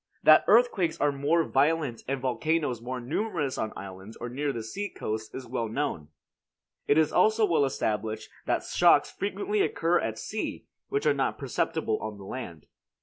That earthquakes are more violent and volcanoes more numerous on islands or near the sea coast is well known. It is also well established that shocks frequently occur at sea, which are not perceptible on the land.